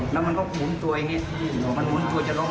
แล้วมันก็หมุนตัวอย่างเงี้ยมันหมุนตัวจะล้ม